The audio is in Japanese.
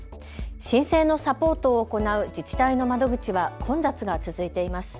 申請のサポートを行う自治体の窓口は混雑が続いています。